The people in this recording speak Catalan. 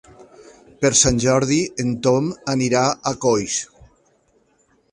Per Sant Jordi en Tom anirà a Coix.